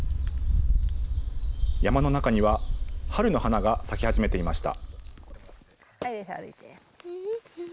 山の中には、春の花が咲き始めていました。